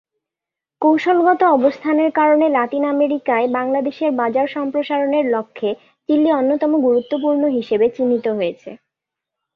কৌশলগত অবস্থানের কারণে লাতিন আমেরিকায় বাংলাদেশের বাজার সম্প্রসারণের লক্ষ্যে চিলি অন্যতম গুরুত্বপূর্ণ হিসেবে চিহ্নিত হয়েছে।